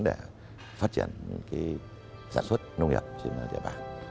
để phát triển sản xuất nông nghiệp